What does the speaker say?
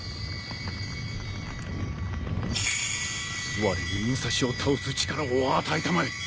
われに武蔵を倒す力を与えたまえ。